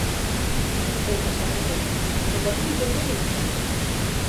Ez esan ezer, eta zintzo ibili!